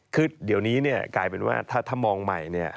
คือเดี๋ยวนี้กลายเป็นว่าถ้ามองใหม่